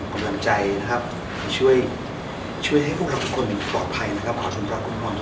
โบราฯขอส่งตนใจนะครับที่ช่วยช่วยให้พวกมันปลอดภัยมาการพอร์ต